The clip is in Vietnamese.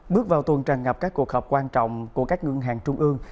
bước vào tuần tràn ngập các cuộc họp quan trọng của các ngân hàng trung ương